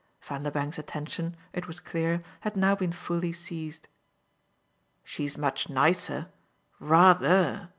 Vanderbank's attention, it was clear, had now been fully seized. "She's much nicer. Rather!